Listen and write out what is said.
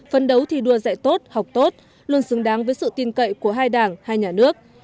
phân đấu thi đua dạy tốt học tốt luôn xứng đáng với sự tin cậy của hai đảng hai nhà nước